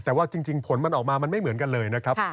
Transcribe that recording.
แต่ว่าจริงผลมันออกมามันไม่เหมือนกันเลยนะครับ